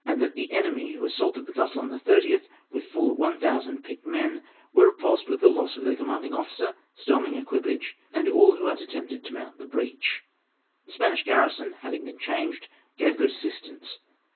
319 that the enemy, who assaulted the castle on the 30th with full 1000 picked men, were repulsed with the loss of their commanding officer, storming equipage, and all who had attempted to mount the breach. The Spanish garrison having been changed, gave good assistance.